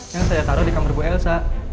yang saya taruh di kamar bu elsa